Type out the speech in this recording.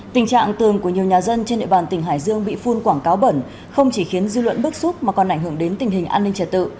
tình trạng tường của nhiều nhà dân trên địa bàn tỉnh hải dương bị phun quảng cáo bẩn không chỉ khiến dư luận bức xúc mà còn ảnh hưởng đến tình hình an ninh trật tự